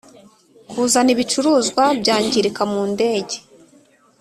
kuzana Ibicuruzwa Byangirika mu Ndege